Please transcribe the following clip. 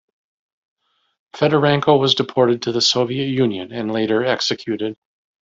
Fedorenko was deported to the Soviet Union and later executed.